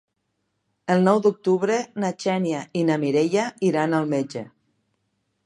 El nou d'octubre na Xènia i na Mireia iran al metge.